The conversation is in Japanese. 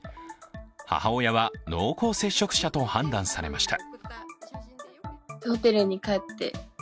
母親は、濃厚接触者と判断されました。